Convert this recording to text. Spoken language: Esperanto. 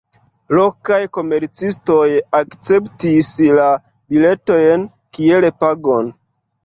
Lokaj komercistoj akceptis la biletojn kiel pagon.